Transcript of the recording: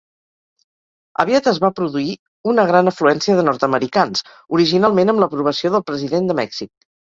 Aviat es va produir una gran afluència de nord-americans, originalment amb l'aprovació del president de Mèxic.